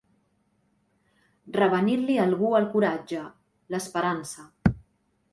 Revenir-li a algú el coratge, l'esperança.